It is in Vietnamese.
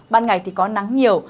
ban ngày thì có nắng nhiều